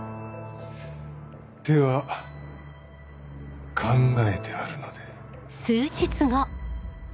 手は考えてあるので。